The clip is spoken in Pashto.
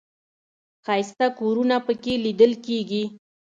ښایسته کورونه په کې لیدل کېږي.